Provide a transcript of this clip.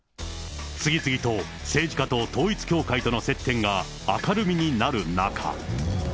次々と政治家と統一教会との接点が明るみになる中。